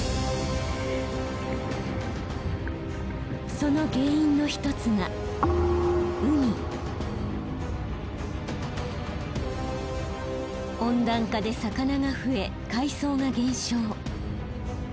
その原因の一つが温暖化で魚が増え海藻が減少。